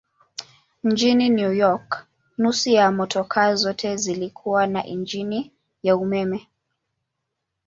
Mjini New York nusu ya motokaa zote zilikuwa na injini ya umeme.